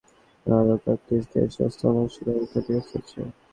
কুমারী মন্দির, তালেজু ভবানীসহ আরও কয়েকটি ঐতিহাসিক স্থাপনা আংশিকভাবে ক্ষতিগ্রস্ত হয়েছে।